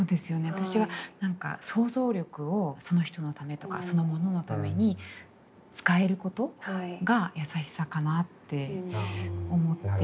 私は何か想像力をその人のためとかそのもののために使えることがやさしさかなって思って。